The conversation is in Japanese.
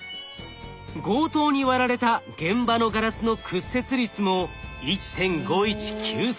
強盗に割られた現場のガラスの屈折率も１．５１９３。